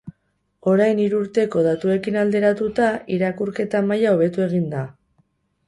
Orain hiru urteko datuekin alderatuta irakurketa maila hobetu egin da.